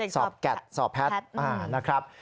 สอบแก๊สสอบแพทย์นะครับ